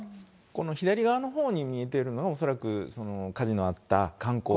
この左側のほうに見えているのが恐らくその火事のあった観光